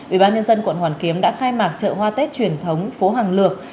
ubnd quận hoàn kiếm đã khai mạc chợ hoa tết truyền thống phố hàng lược